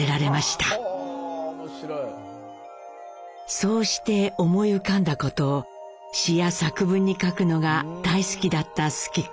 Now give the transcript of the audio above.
そうして思い浮かんだことを詩や作文に書くのが大好きだった主基子。